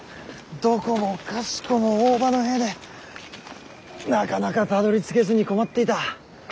どこもかしこも大庭の兵でなかなかたどりつけずに困っていた。